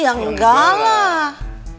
ya enggak lah